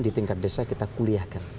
di tingkat desa kita kuliahkan